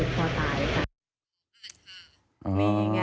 เขาก็เหมือนเทียด๖ตัวตายค่ะ